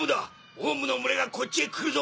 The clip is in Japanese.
王蟲の群れがこっちへ来るぞ！